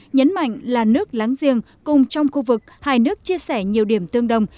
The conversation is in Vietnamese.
nhấn mạnh là nước láng giềng cùng trong khu vực hai nước chia sẻ nhiều điểm tương đồng